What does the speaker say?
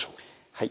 はい。